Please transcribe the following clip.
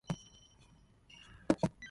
He was buried at Melbourne General Cemetery.